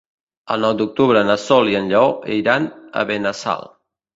El nou d'octubre na Sol i en Lleó iran a Benassal.